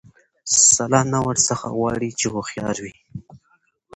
سلا نه ورڅخه غواړي چي هوښیار وي